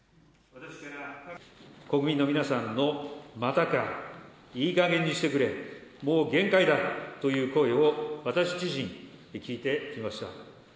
国民の皆さんのまたか、いい加減にしてくれ、もう限界だという声を、私自身、聞いてきました。